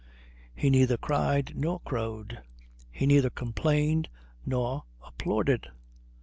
He neither cried nor crowed. He neither complained nor applauded.